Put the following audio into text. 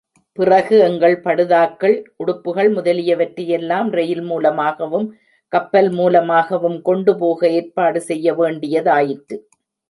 பிறகு எங்கள் படுதாக்கள், உடுப்புகள் முதலியவற்றையெல்லாம், ரெயில் மூலமாகவும், கப்பல் மூலமாகவும் கொண்டு போக ஏற்பாடு செய்ய வேண்டியதாயிற்று.